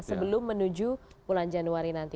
sebelum menuju bulan januari nanti